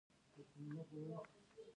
افغانستان ولې ستراتیژیک موقعیت لري؟